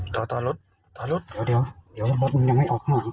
ตารถลดตารถลด